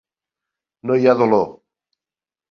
No hi ha dolor.